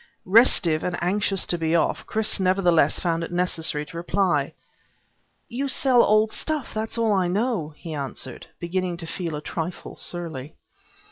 Restive and anxious to be off, Chris nevertheless found it necessary to reply. "You sell old stuff. That's all I know," he answered, beginning to feel a trifle surly.